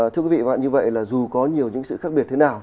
thưa quý vị và các bạn như vậy là dù có nhiều những sự khác biệt thế nào